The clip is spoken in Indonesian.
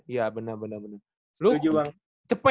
iya benar benar benar